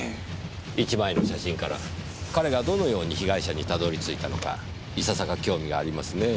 １枚の写真から彼がどのように被害者にたどり着いたのかいささか興味がありますねぇ。